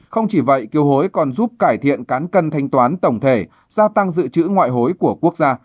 không chỉ vậy kiều hối còn giúp cải thiện cán cân thanh toán tổng thể gia tăng dự trữ ngoại hối của quốc gia